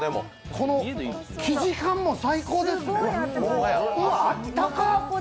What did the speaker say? この生地感も最高です。